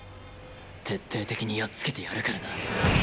徹底的にやっつけてやるからな。